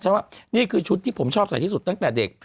ว่านี่คือชุดที่ผมชอบใส่ที่สุดตั้งแต่เด็ก